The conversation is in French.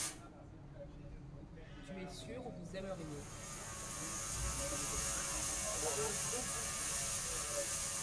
Tu es sûr vous aimeriez.